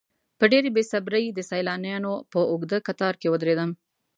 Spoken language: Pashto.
په ډېرې بې صبرۍ د سیلانیانو په اوږده کتار کې ودرېدم.